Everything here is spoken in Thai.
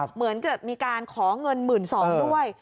เหมือนกับมีการขอเงิน๑๒๐๐ด้วย